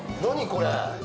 これ！